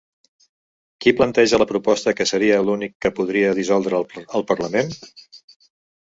Qui planteja la proposta que seria l'únic que podria dissoldre el parlament?